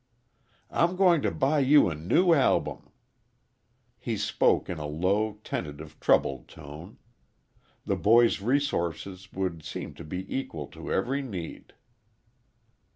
"I'm going to buy you a new album." He spoke in a low, tentative, troubled tone. The boy's resources would seem to be equal to every need.